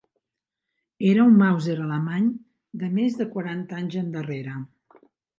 Era un màuser alemany, de més de quaranta anys endarrere